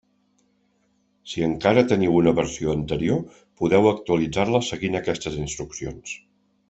Si encara teniu una versió anterior, podeu actualitzar-la seguint aquestes instruccions.